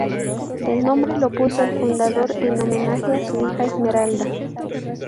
El nombre lo puso el fundador en homenaje a su hija Esmeralda.